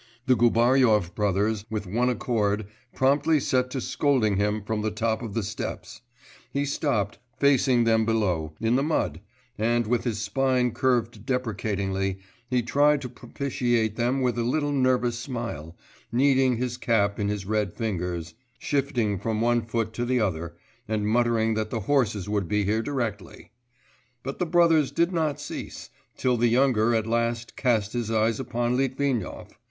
The Gubaryov brothers with one accord promptly set to scolding him from the top of the steps; he stopped, facing them below, in the mud, and with his spine curved deprecatingly, he tried to propitiate them with a little nervous smile, kneading his cap in his red fingers, shifting from one foot to the other, and muttering that the horses would be here directly.... But the brothers did not cease, till the younger at last cast his eyes upon Litvinov.